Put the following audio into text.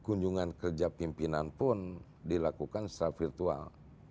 kunjungan kerja pimpinan pun dilakukan secara virtual